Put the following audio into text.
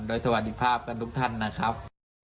โดยสวัสดีภาพกันทุกท่านนะครับ